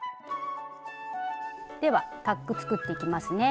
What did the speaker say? ではタック作っていきますね。